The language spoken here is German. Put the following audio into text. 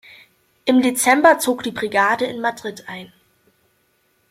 Im Dezember zog die Brigade in Madrid ein.